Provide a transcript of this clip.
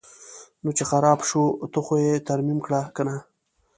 نو چې خراب شو ته خو یې ترمیم کړه کنه.